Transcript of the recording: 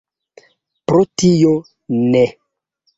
Pro tio ne.